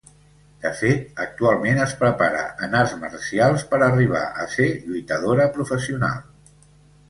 De fet, actualment es prepara en arts marcials per arribar a ser lluitadora professional.